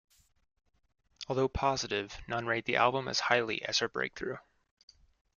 Although positive, none rate the album as highly as her breakthrough.